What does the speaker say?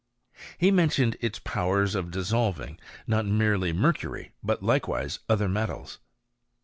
He mentions its power of dissolving, q( merely mercury, but likewise other metals.